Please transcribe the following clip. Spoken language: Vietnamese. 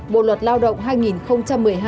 bộ luật lao động hai nghìn hai mươi một